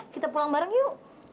kita pulang bareng yuk